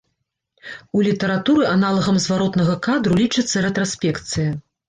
У літаратуры аналагам зваротнага кадру лічыцца рэтраспекцыя.